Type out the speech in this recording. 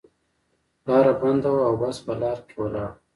لاره بنده وه او بس په لار کې ولاړ و.